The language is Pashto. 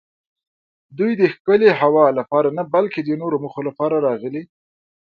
دوی د ښکلې هوا لپاره نه بلکې د نورو موخو لپاره راغلي.